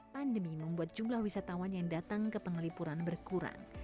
pandemi membuat jumlah wisatawan yang datang ke penglipuran berkurang